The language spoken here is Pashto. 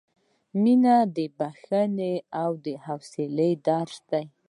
• مینه د بښنې او حوصلې درس دی.